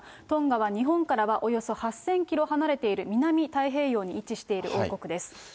トンガは日本からはおよそ８０００キロ離れている、南太平洋に位置している王国です。